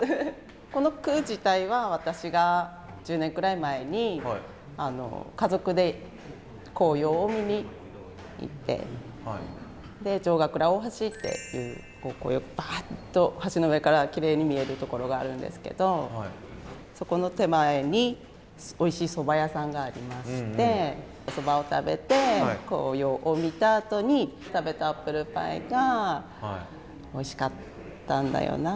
この句自体は私が１０年くらい前に家族で紅葉を見に行ってで城ヶ倉大橋っていう紅葉をバーッと橋の上からきれいに見えるところがあるんですけどそこの手前においしいそば屋さんがありましてそばを食べて紅葉を見たあとに食べたアップルパイがおいしかったんだよな。